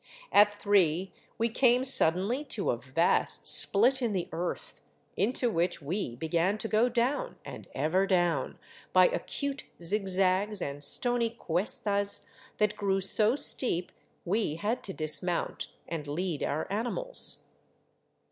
At three we came sud denly to a vast split in the earth, into which we began to go down and ever down by acute zigzags and stony cuestas that grew so steep we had to dismount and lead our animals.